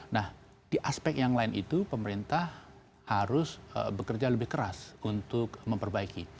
nah di aspek yang lain itu pemerintah harus bekerja lebih keras untuk memperbaiki